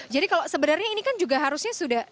jadi kalau sebenarnya ini kan juga harusnya sudah